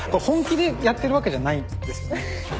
本気でやってるわけじゃないんですよね。